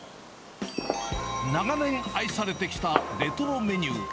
長年愛されてきたレトロメニュー。